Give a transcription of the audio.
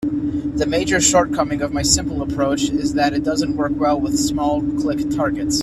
The major shortcoming of my simple approach is that it doesn't work well with small click targets.